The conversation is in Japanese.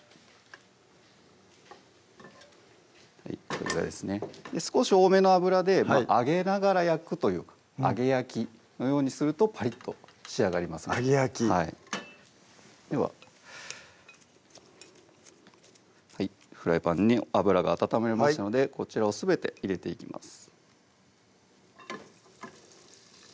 これぐらいですね少し多めの油で揚げながら焼くというか揚げ焼きのようにするとパリッと仕上がりますので揚げ焼きはいではフライパンに油が温まりましたのでこちらをすべて入れていきます